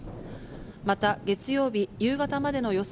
また月曜日夕方までの予想